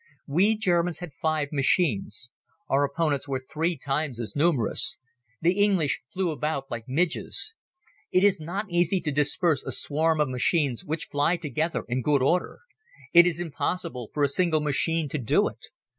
We Germans had five machines. Our opponents were three times as numerous. The English flew about like midges. It is not easy to disperse a swarm of machines which fly together in good order. It is impossible for a single machine to do it.